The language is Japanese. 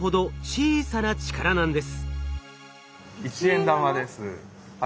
１円玉です。